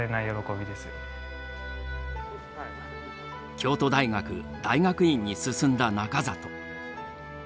京都大学大学院に進んだ中里。